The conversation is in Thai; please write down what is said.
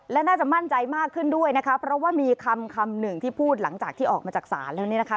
และน่าจะมั่นใจมากขึ้นด้วยนะคะเพราะว่ามีคำคำหนึ่งที่พูดหลังจากที่ออกมาจากศาลแล้วเนี่ยนะคะ